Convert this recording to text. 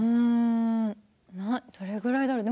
どれぐらいだろう。